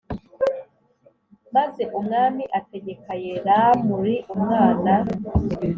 Maze umwami ategeka Yeram li umwana